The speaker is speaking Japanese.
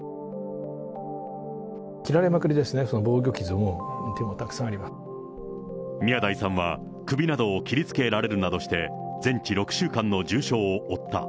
切られまくりですね、防御傷も、宮台さんは首などを切りつけられるなどして、全治６週間の重傷を負った。